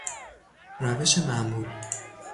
روش معمول